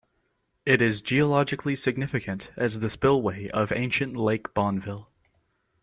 It is geologically significant as the spillway of ancient Lake Bonneville.